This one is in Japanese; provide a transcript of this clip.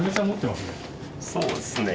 そうですね。